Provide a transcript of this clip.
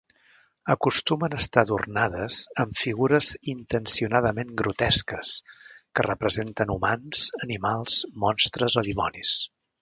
Acostumen a estar adornades amb figures intencionadament grotesques que representen humans, animals, monstres o dimonis.